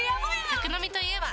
宅飲みと言えば？